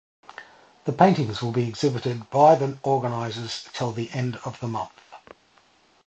The paintings will be exhibited by the organizers till the end of the month.